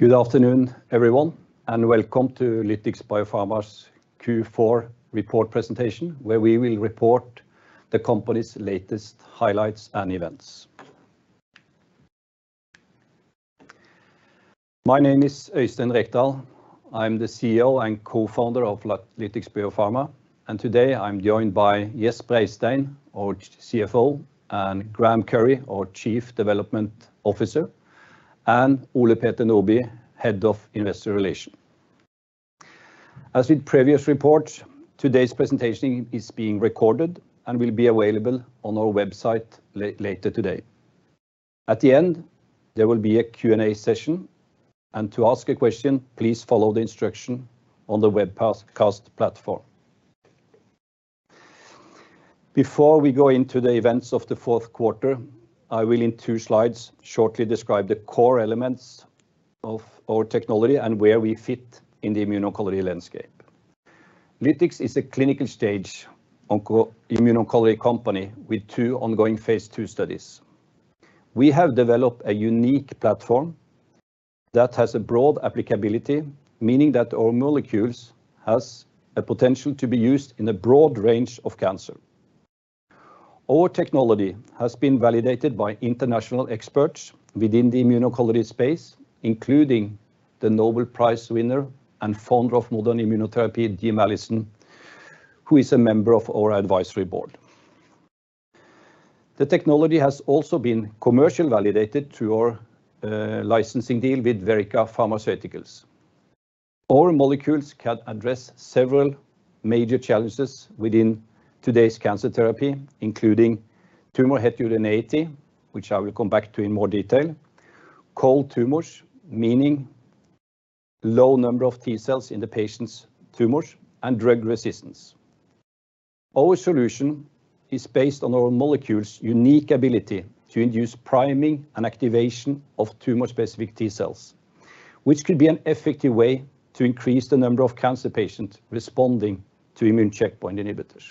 Welcome to Lytix Biopharma's Q4 report presentation, where we will report the company's latest highlights and events. My name is Øystein Rekdal. I'm the CEO and co-founder of Lytix Biopharma. Today I'm joined by Gjest Breistein, our CFO, Graeme Currie, our Chief Development Officer, Ole Peter Nørbø, Head of Investor Relations. As with previous reports, today's presentation is being recorded and will be available on our website later today. At the end, there will be a Q&A session. To ask a question, please follow the instruction on the webcast platform. Before we go into the events of the fourth quarter, I will in two slides shortly describe the core elements of our technology and where we fit in the immuno-oncology landscape. Lytix is a clinical stage immuno-oncology company with two ongoing phase II studies. We have developed a unique platform that has a broad applicability, meaning that our molecules has a potential to be used in a broad range of cancer. Our technology has been validated by international experts within the immuno-oncology space, including the Nobel Prize winner and founder of modern immunotherapy, James Allison, who is a member of our advisory board. The technology has also been commercial validated through our licensing deal with Verrica Pharmaceuticals. Our molecules can address several major challenges within today's cancer therapy, including tumor heterogeneity, which I will come back to in more detail, cold tumors, meaning low number of T-cells in the patient's tumors, and drug resistance. Our solution is based on our molecule's unique ability to induce priming and activation of tumor-specific T-cells, which could be an effective way to increase the number of cancer patients responding to immune checkpoint inhibitors.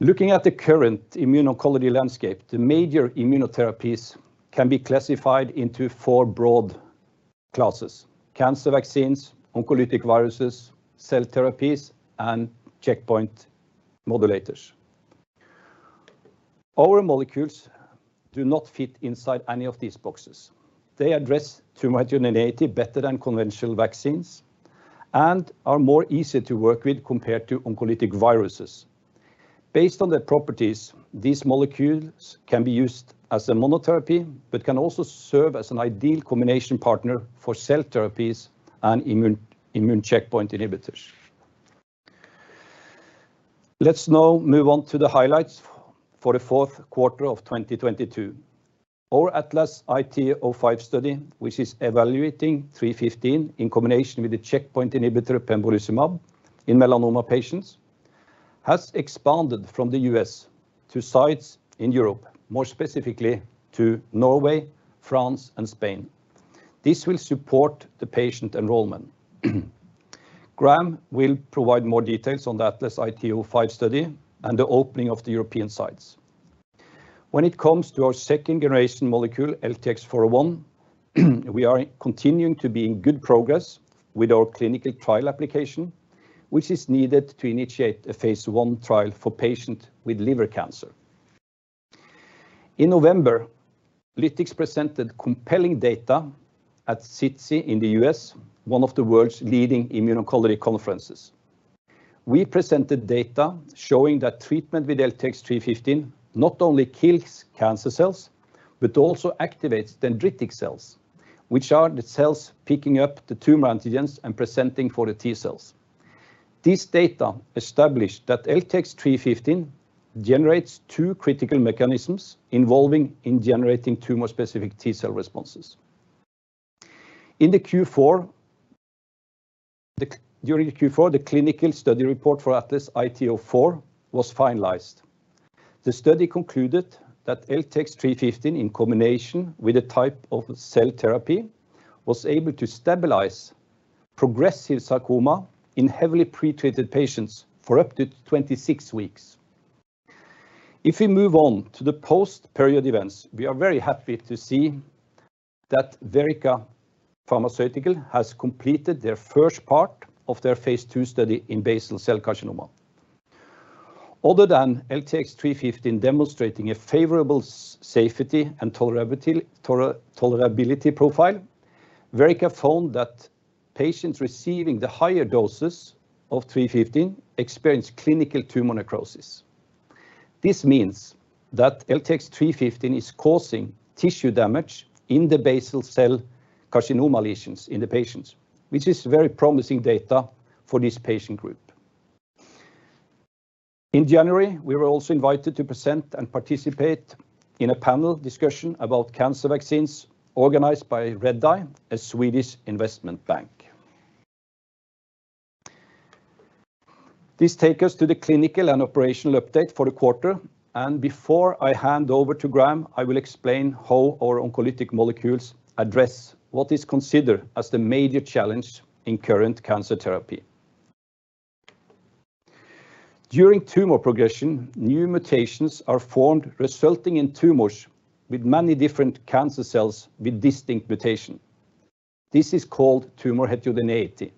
Looking at the current immuno-oncology landscape, the major immunotherapies can be classified into four broad classes: cancer vaccines, oncolytic viruses, cell therapies, and checkpoint modulators. Our molecules do not fit inside any of these boxes. They address tumor heterogeneity better than conventional vaccines and are more easy to work with compared to oncolytic viruses. Based on their properties, these molecules can be used as a monotherapy but can also serve as an ideal combination partner for cell therapies and immune checkpoint inhibitors. Let's now move on to the highlights for the fourth quarter of 2022. Our ATLAS-IT-05 study, which is evaluating 315 in combination with the checkpoint inhibitor pembrolizumab in melanoma patients, has expanded from the U.S. to sites in Europe, more specifically to Norway, France, and Spain. This will support the patient enrollment. Graeme will provide more details on the ATLAS-IT-05 study and the opening of the European sites. Our second-generation molecule, LTX-401, we are continuing to be in good progress with our clinical trial application, which is needed to initiate a phase I trial for patient with liver cancer. In November, Lytix presented compelling data at SITC in the U.S., one of the world's leading immuno-oncology conferences. We presented data showing that treatment with LTX-315 not only kills cancer cells but also activates dendritic cells, which are the cells picking up the tumor antigens and presenting for the T-cells. This data established that LTX-315 generates two critical mechanisms involving in generating tumor-specific T-cell responses. During the Q4, the clinical study report for ATLAS-IT-04 was finalized. The study concluded that LTX-315 in combination with a type of cell therapy was able to stabilize progressive sarcoma in heavily pretreated patients for up to 26 weeks. We move on to the post-period events, we are very happy to see that Verrica Pharmaceuticals has completed their first part of their phase II study in basal cell carcinoma. Other than LTX-315 demonstrating a favorable safety and tolerability profile, Verrica found that patients receiving the higher doses of 315 experienced clinical tumor necrosis. This means that LTX-315 is causing tissue damage in the basal cell carcinoma lesions in the patients, which is very promising data for this patient group. In January, we were also invited to present and participate in a panel discussion about cancer vaccines organized by Redeye, a Swedish investment bank. This take us to the clinical and operational update for the quarter, and before I hand over to Graeme, I will explain how our oncolytic molecules address what is considered as the major challenge in current cancer therapy. During tumor progression, new mutations are formed, resulting in tumors with many different cancer cells with distinct mutation. This is called Tumor heterogeneity.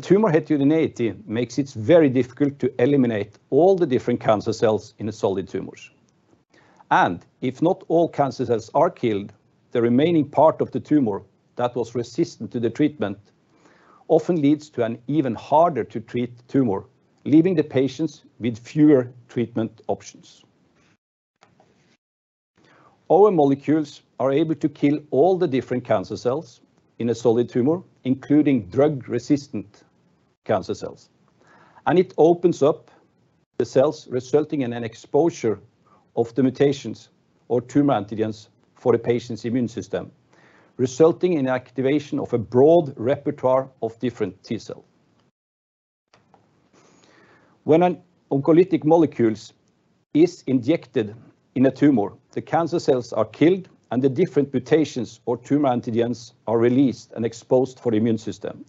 Tumor heterogeneity makes it very difficult to eliminate all the different cancer cells in the solid tumors. If not all cancer cells are killed, the remaining part of the tumor that was resistant to the treatment often leads to an even harder to treat tumor, leaving the patients with fewer treatment options. Our molecules are able to kill all the different cancer cells in a solid tumor, including drug-resistant cancer cells. It opens up the cells resulting in an exposure of the mutations or tumor antigens for a patient's immune system, resulting in activation of a broad repertoire of different T-cell. When oncolytic molecules is injected in a tumor, the cancer cells are killed. The different mutations or tumor antigens are released and exposed for the immune system.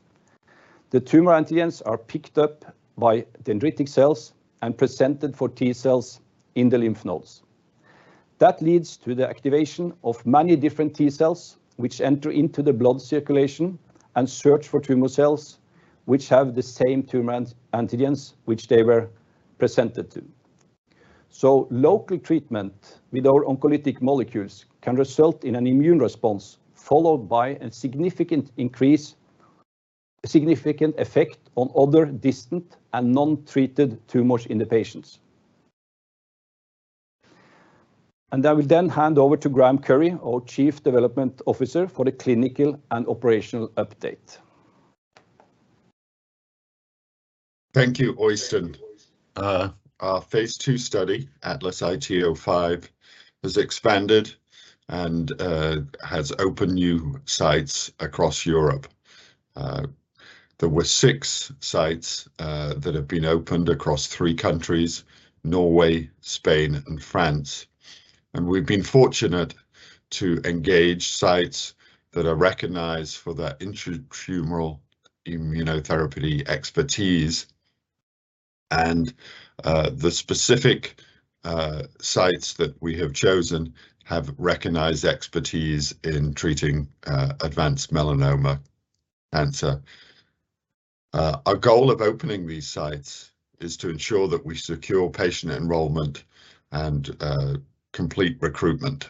The tumor antigens are picked up by dendritic cells and presented for T cells in the lymph nodes. That leads to the activation of many different T cells, which enter into the blood circulation and search for tumor cells which have the same tumor antigens which they were presented to. Local treatment with our oncolytic molecules can result in an immune response, followed by a significant increase, significant effect on other distant and non-treated tumors in the patients. I will then hand over to Graeme Currie, our Chief Development Officer, for the clinical and operational update. Thank you, Øystein. Our phase II study, ATLAS-IT-05, has expanded and has opened new sites across Europe. There were six sites that have been opened across three countries, Norway, Spain, and France. We've been fortunate to engage sites that are recognized for their intratumoral immunotherapy expertise. The specific sites that we have chosen have recognized expertise in treating advanced melanoma cancer. Our goal of opening these sites is to ensure that we secure patient enrollment and complete recruitment.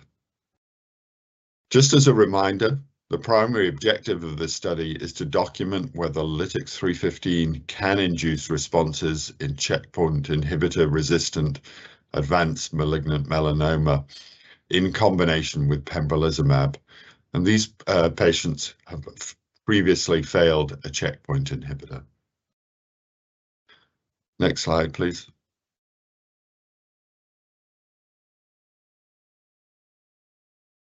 Just as a reminder, the primary objective of this study is to document whether LTX-315 can induce responses in checkpoint inhibitor-resistant advanced malignant melanoma in combination with pembrolizumab, and these patients have previously failed a checkpoint inhibitor. Next slide, please.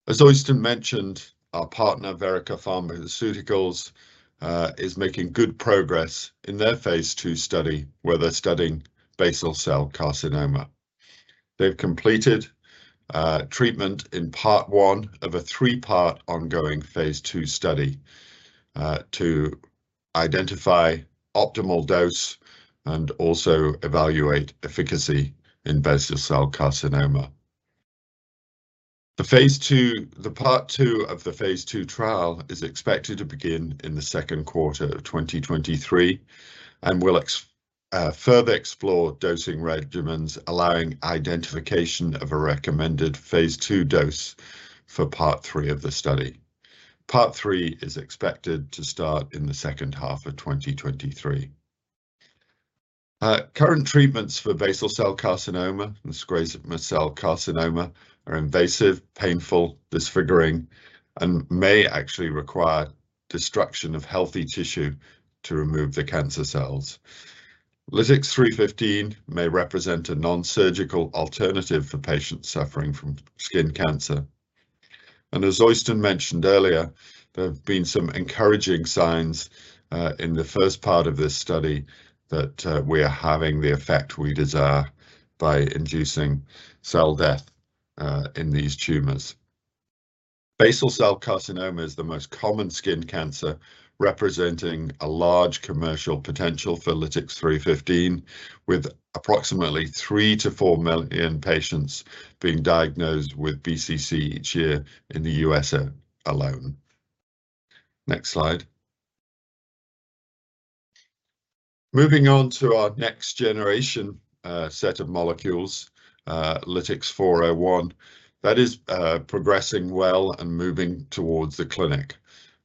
As Øystein mentioned, our partner Verrica Pharmaceuticals is making good progress in their phase II study, where they're studying basal cell carcinoma. They've completed treatment in part one of a three-part ongoing phase II study to identify optimal dose and also evaluate efficacy in basal cell carcinoma. The part two of the phase II trial is expected to begin in the 2nd quarter of 2023 and will further explore dosing regimens, allowing identification of a recommended phase II dose for part three of the study. Part three is expected to start in the 2nd half of 2023. Current treatments for basal cell carcinoma and squamous cell carcinoma are invasive, painful, disfiguring, and may actually require destruction of healthy tissue to remove the cancer cells. LTX-315 may represent a non-surgical alternative for patients suffering from skin cancer. As Øystein mentioned earlier, there have been some encouraging signs in the first part of this study that we are having the effect we desire by inducing cell death in these tumors. Basal cell carcinoma is the most common skin cancer, representing a large commercial potential for LTX-315, with approximately three-four million patients being diagnosed with BCC each year in the U.S. alone. Next slide. Moving on to our next generation set of molecules, LTX-401, that is progressing well and moving towards the clinic.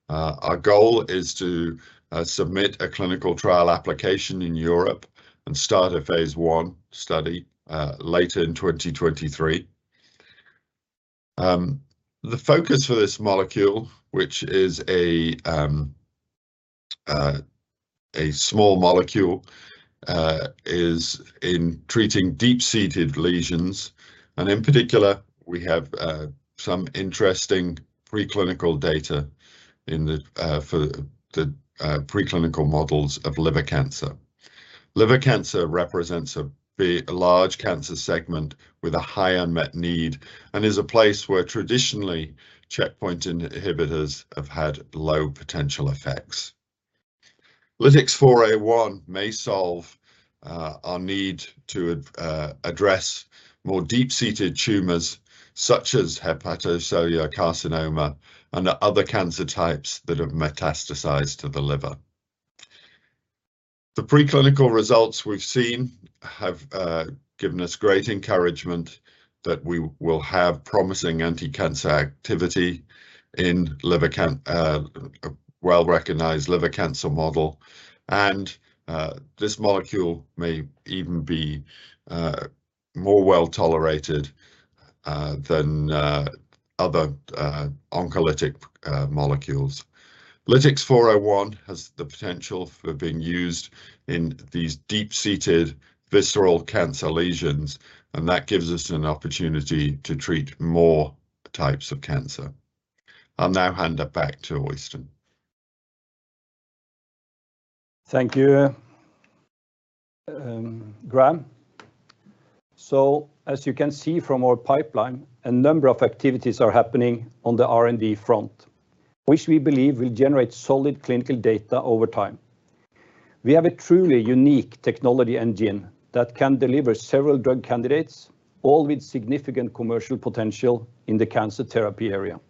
Our goal is to submit a clinical trial application in Europe and start a phase I study later in 2023. The focus for this molecule, which is a small molecule, is in treating deep-seated lesions. In particular, we have some interesting preclinical data in the for the preclinical models of liver cancer. Liver cancer represents a big, a large cancer segment with a high unmet need and is a place where traditionally checkpoint inhibitors have had low potential effect. LTX-401 may solve our need to address more deep-seated tumors such as hepatocellular carcinoma and other cancer types that have metastasized to the liver. The preclinical results we've seen have given us great encouragement that we will have promising anti-cancer activity in liver cancer, a well-recognized liver cancer model, and this molecule may even be more well-tolerated than other oncolytic molecules. LTX-401 has the potential for being used in these deep-seated visceral cancer lesions, and that gives us an opportunity to treat more types of cancer. I'll now hand it back to Øystein. Thank you, Graeme. As you can see from our pipeline, a number of activities are happening on the R&D front, which we believe will generate solid clinical data over time. We have a truly unique technology engine that can deliver several drug candidates, all with significant commercial potential in the cancer therapy area.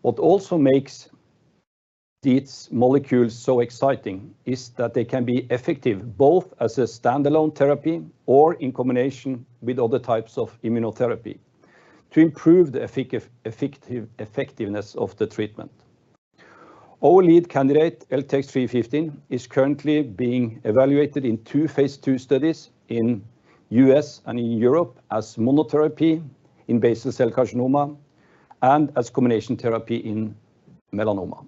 What also makes these molecules so exciting is that they can be effective both as a standalone therapy or in combination with other types of immunotherapy to improve the effectiveness of the treatment. Our lead candidate LTX-315 is currently being evaluated in two phase II studies in U.S. and in Europe as monotherapy in basal cell carcinoma and as combination therapy in melanoma.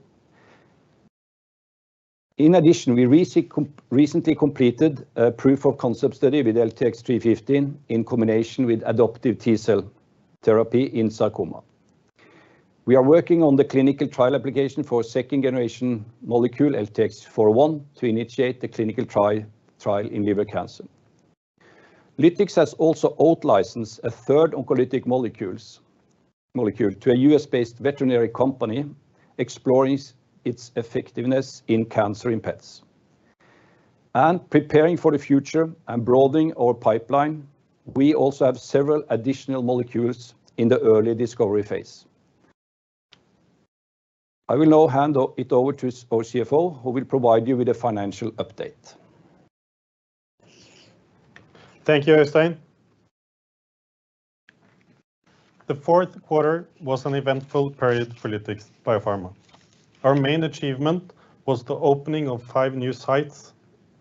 In addition, we recently completed a proof of concept study with LTX-315 in combination with adoptive T-cell therapy in sarcoma. We are working on the clinical trial application for second generation molecule LTX-401 to initiate the clinical trial in liver cancer. Lytix has also out-licensed a third oncolytic molecule to a U.S.-based veterinary company exploring its effectiveness in cancer in pets. Preparing for the future and broadening our pipeline, we also have several additional molecules in the early discovery phase. I will now hand it over to our CFO, who will provide you with a financial update. Thank you, Øystein. The fourth quarter was an eventful period for Lytix Biopharma. Our main achievement was the opening of five new sites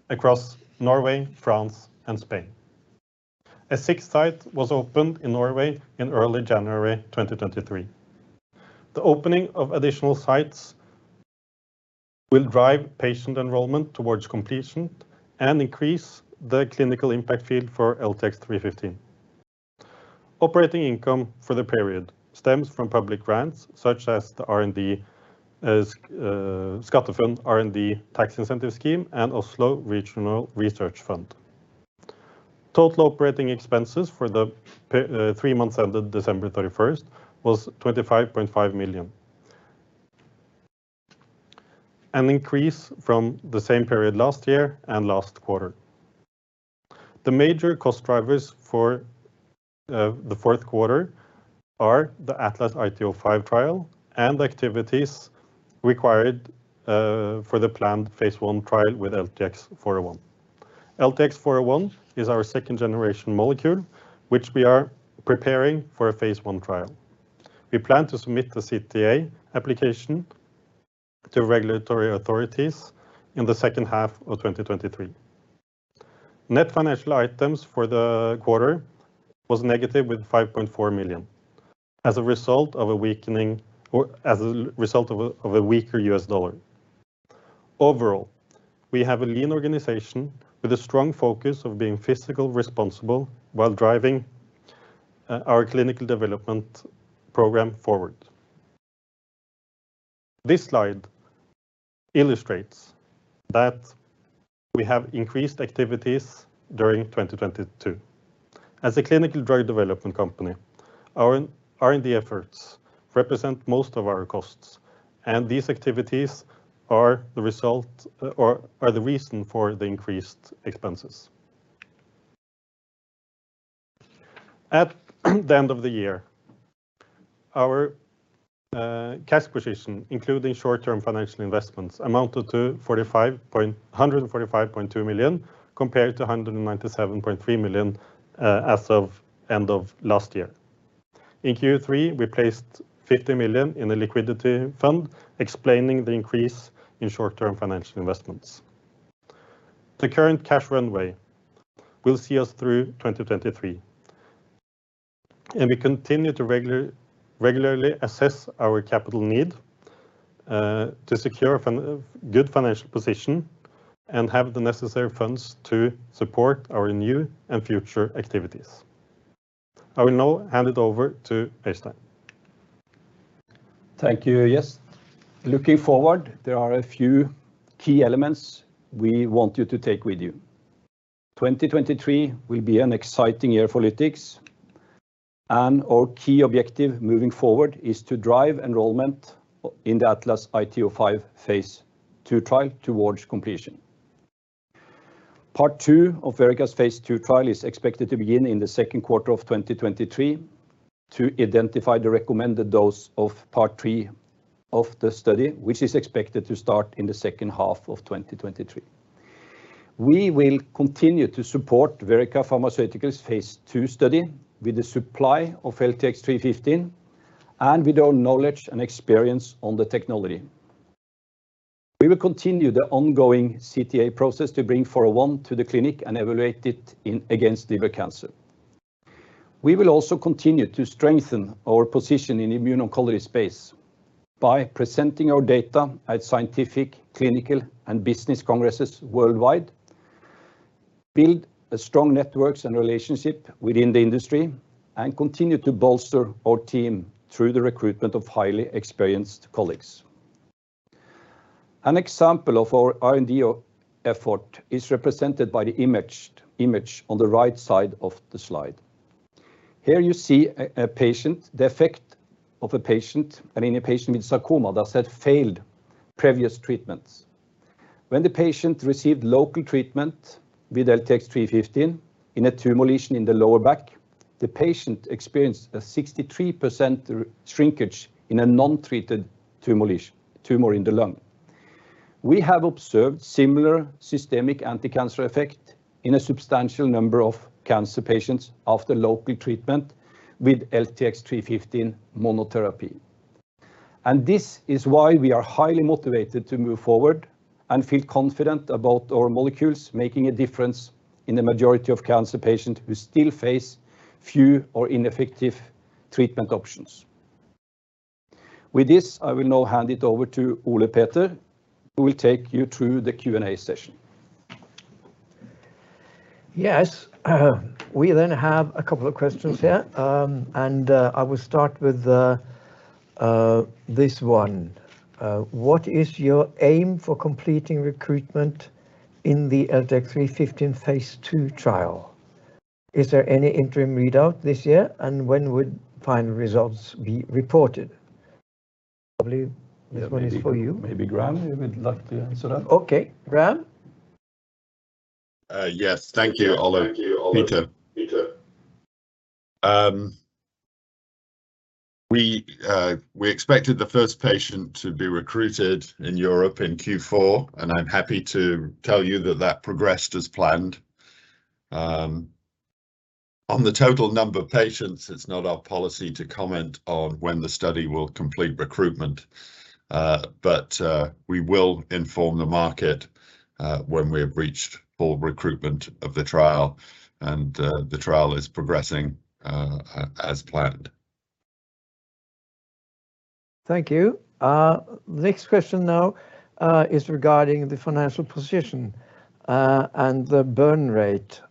across Norway, France, and Spain. A 6th site was opened in Norway in early January 2023. The opening of additional sites will drive patient enrollment towards completion and increase the clinical impact field for LTX-315. Operating income for the period stems from public grants such as the SkatteFUNN R&D tax incentive scheme and Oslo Regional Research Fund. Total operating expenses for the three months ended December 31st was NOK 25.5 million, an increase from the same period last year and last quarter. The major cost drivers for the fourth quarter are the ATLAS-IT-05 trial and activities required for the planned phase I trial with LTX-401. LTX-401 is our second-generation molecule, which we are preparing for a phase 1 trial. We plan to submit the CTA application to regulatory authorities in the second half of 2023. Net financial items for the quarter was negative with $5.4 million as a result of a weakening or as a result of a weaker U.S. dollar. Overall, we have a lean organization with a strong focus of being fiscal responsible while driving our clinical development program forward. This slide illustrates that we have increased activities during 2022. As a clinical drug development company, our R&D efforts represent most of our costs, and these activities are the result, or are the reason for the increased expenses. At the end of the year, our cash position, including short-term financial investments, amounted to $145.2 million, compared to $197.3 million as of end of last year. In Q3, we placed 50 million in the liquidity fund, explaining the increase in short-term financial investments. The current cash runway will see us through 2023, and we continue to regularly assess our capital need to secure a good financial position and have the necessary funds to support our new and future activities. I will now hand it over to Øystein. Thank you, Gjest. Looking forward, there are a few key elements we want you to take with you. 2023 will be an exciting year for Lytix. Our key objective moving forward is to drive enrollment in the ATLAS-IT-05 phase II trial towards completion. Part 2 of Verrica's phase II trial is expected to begin in the 2nd quarter of 2023 to identify the recommended dose of Part 3 of the study, which is expected to start in the 2nd half of 2023. We will continue to support Verrica Pharmaceuticals' phase II study with the supply of LTX-315 and with our knowledge and experience on the technology. We will continue the ongoing CTA process to bring LTX-401 to the clinic and evaluate it against liver cancer. We will also continue to strengthen our position in immuno-oncology space by presenting our data at scientific, clinical, and business congresses worldwide, build a strong networks and relationship within the industry, and continue to bolster our team through the recruitment of highly experienced colleagues. An example of our R&D effort is represented by the image on the right side of the slide. Here you see a patient, the effect of a patient, and in a patient with sarcoma that had failed previous treatments. When the patient received local treatment with LTX-315 in a tumor lesion in the lower back, the patient experienced a 63% shrinkage in a non-treated tumor in the lung. We have observed similar systemic anticancer effect in a substantial number of cancer patients after local treatment with LTX-315 monotherapy. This is why we are highly motivated to move forward and feel confident about our molecules making a difference in the majority of cancer patients who still face few or ineffective treatment options. With this, I will now hand it over to Ole Peter, who will take you through the Q&A session. Yes. We have a couple of questions here. I will start with this one. What is your aim for completing recruitment in the LTX-315 phase II trial? Is there any interim readout this year, and when would final results be reported? Probably this one is for you. Maybe, maybe Graeme, you would like to answer that. Okay. Graeme? Yes. Thank you, Ole Peter. We expected the first patient to be recruited in Europe in Q4, and I'm happy to tell you that that progressed as planned. On the total number of patients, it's not our policy to comment on when the study will complete recruitment, but we will inform the market when we have reached full recruitment of the trial, and the trial is progressing as planned. Thank you. Next question now is regarding the financial position and the burn rate.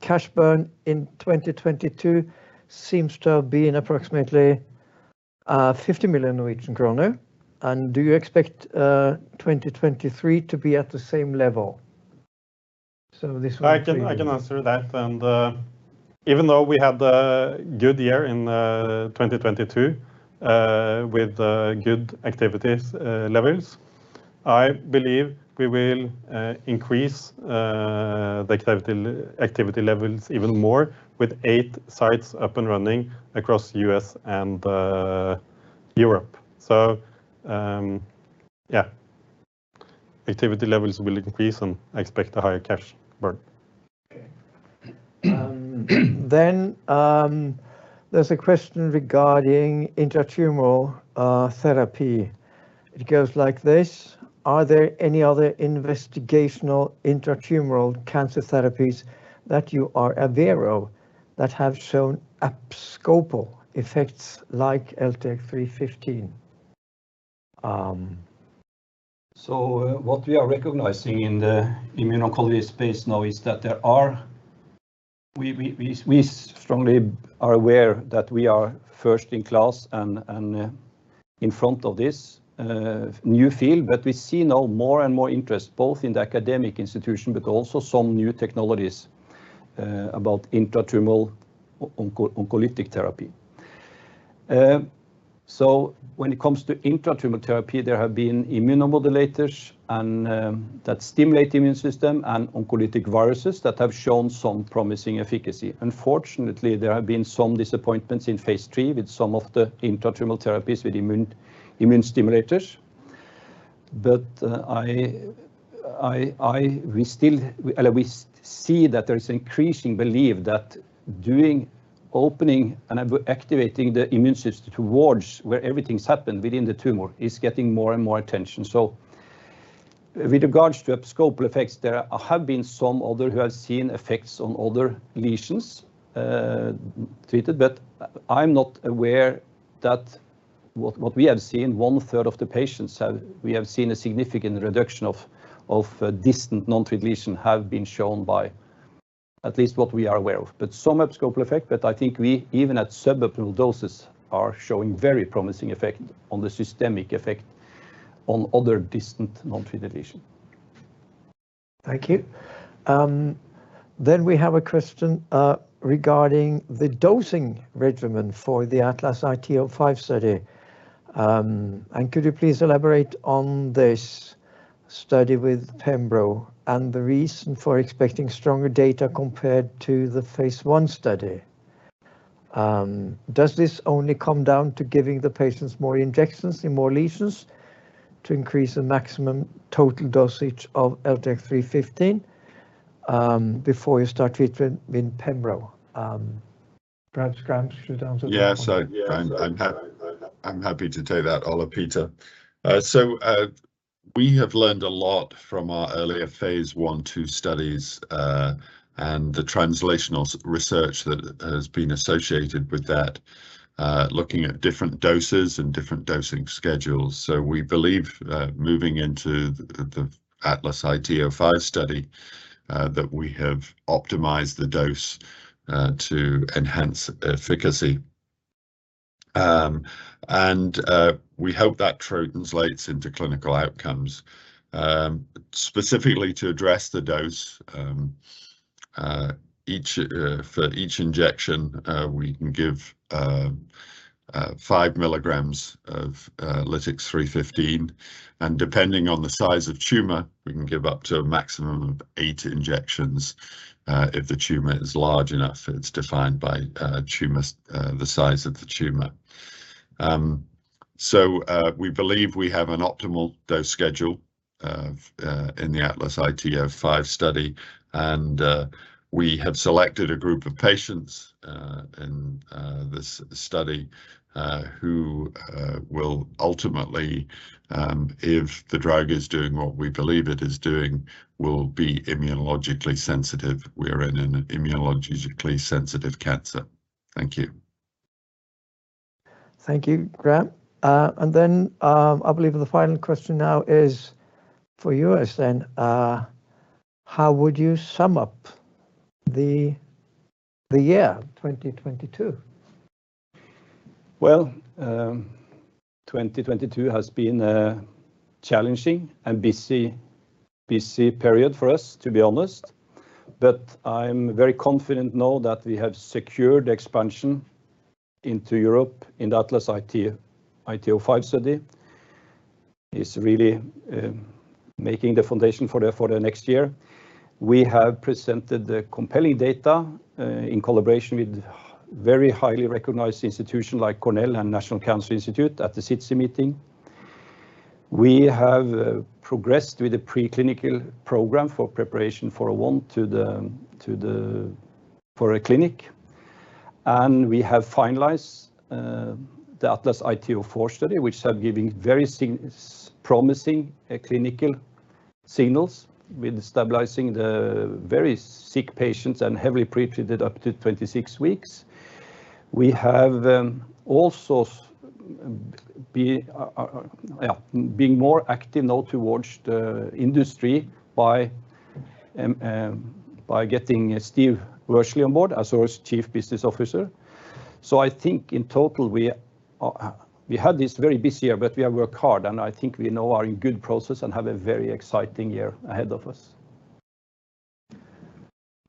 Cash burn in 2022 seems to have been approximately 50 million Norwegian kroner, and do you expect 2023 to be at the same level? This one is for you. I can answer that. Even though we had a good year in 2022 with good activities levels, I believe we will increase the activity levels even more with eight sites up and running across U.S. and Europe. Yeah, activity levels will increase, and I expect a higher cash burn. There's a question regarding intratumoral therapy. It goes like this: Are there any other investigational intratumoral cancer therapies that you are aware of that have shown abscopal effects like LTX-315? What we are recognizing in the immuno-oncology space now is that We strongly are aware that we are first in class and in front of this new field, but we see now more and more interest both in the academic institution but also some new technologies about intratumoral oncolytic therapy. When it comes to intratumoral therapy, there have been immunomodulators and that stimulate the immune system and oncolytic viruses that have shown some promising efficacy. Unfortunately, there have been some disappointments in phase III with some of the intratumoral therapies with immune stimulators. We still see that there's increasing belief that doing, opening, and activating the immune system towards where everything's happened within the tumor is getting more and more attention. With regards to abscopal effects, there have been some other who have seen effects on other lesions, treated, but I'm not aware that what we have seen, one-third of the patients have, we have seen a significant reduction of distant nontreated lesion have been shown by at least what we are aware of. Some abscopal effect, but I think we, even at suboptimal doses, are showing very promising effect on the systemic effect on other distant nontreated lesion. Thank you. We have a question regarding the dosing regimen for the ATLAS-IT-05 study. Could you please elaborate on this study with pembro and the reason for expecting stronger data compared to the phase I study? Does this only come down to giving the patients more injections in more lesions to increase the maximum total dosage of LTX-315 before you start treatment with pembro? Perhaps Graeme, should you answer that one? Yeah, I'm happy to take that, Ole Peter Nørbø. We have learned a lot from our earlier phase I, II studies and the translational research that has been associated with that, looking at different doses and different dosing schedules. We believe, moving into the ATLAS-IT-05 study, that we have optimized the dose to enhance efficacy. We hope that translates into clinical outcomes. Specifically to address the dose, each for each injection, we can give 5 mm of LTX-315. Depending on the size of tumor, we can give up to a maximum of eight injections, if the tumor is large enough, it's defined by tumor the size of the tumor. We believe we have an optimal dose schedule in the ATLAS-IT-05 study. We have selected a group of patients in this study who will ultimately, if the drug is doing what we believe it is doing, will be immunologically sensitive. We are in an immunologically sensitive cancer. Thank you. Thank you, Graeme. I believe the final question now is for you, Øystein. How would you sum up the year 2022? Well, 2022 has been a challenging and busy period for us, to be honest. I'm very confident now that we have secured expansion into Europe in the ATLAS-IT-05 study. It's really making the foundation for the next year. We have presented the compelling data in collaboration with very highly recognized institution like Cornell and National Cancer Institute at the SITC meeting. We have progressed with the preclinical program for preparation for a clinic. We have finalized the ATLAS-IT-04 study, which are giving very promising clinical signals with stabilizing the very sick patients and heavily pretreated up to 26 weeks. We have also yeah, being more active now towards the industry by getting Steve Worsley on board as our Chief Business Officer. I think in total, we had this very busy year, but we have worked hard, and I think we now are in good process and have a very exciting year ahead of us.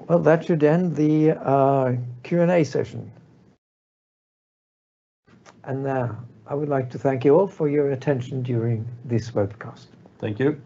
Well, that should end the Q&A session. I would like to thank you all for your attention during this webcast. Thank you.